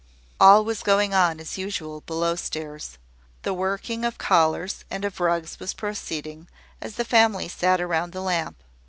All was going on as usual below stairs. The working of collars and of rugs was proceeding, as the family sat round the lamp.